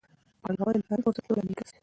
پانګونه د کاري فرصتونو لامل ګرځي.